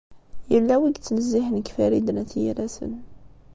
Yella win i yettnezzihen deg Farid n At Yiraten.